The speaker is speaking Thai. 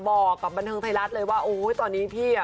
บอกกับบันเทิงไทยรัฐเลยว่าโอ้ยตอนนี้พี่อ่ะ